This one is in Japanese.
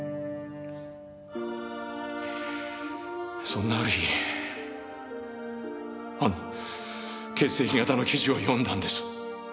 そんなある日あの血液型の記事を読んだんです。